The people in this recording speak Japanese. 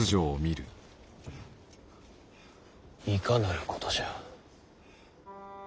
いかなることじゃ。